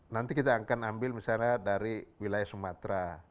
nanti kita akan ambil misalnya dari wilayah sumatera